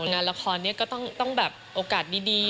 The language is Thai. งานละครนี้ก็แบบต้องโอกาสดี